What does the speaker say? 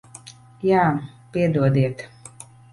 Jā. Piedodiet.